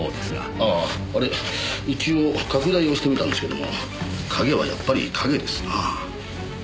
あああれ一応拡大をしてみたんですけども影はやっぱり影ですなぁ。